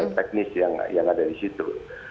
teknis yang ada di situ